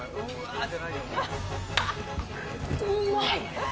うまい！